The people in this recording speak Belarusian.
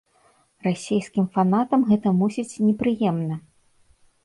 Расейскім фанатам гэта, мусіць, непрыемна.